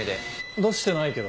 出してないけど。